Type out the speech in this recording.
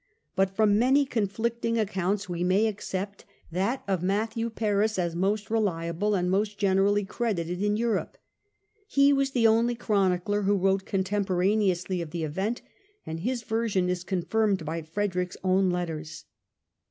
But from many conflicting accounts we may accept that of THE GATHERING OF THE CLOUDS 267 Matthew Paris as most reliable and most generally credited in Europe. He was the only chronicler who wrote contemporaneously of the event, and his version is confirmed by Frederick's own letters.